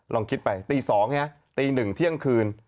ลองคิดไปตี๒ใช่ไหมตี๑เที่ยงคืน